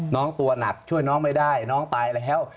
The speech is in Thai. น้องตัวหนักช่วยน้องไม่ได้น้องตายแล้ว